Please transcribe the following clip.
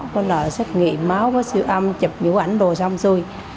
có lợi xét nghiệm máu có siêu âm chụp biểu ảnh đồ xong xui